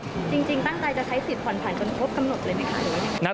จริงตั้งใจจะใช้สิทธิผ่อนผันจนครบกำหนดเลยไหมคะ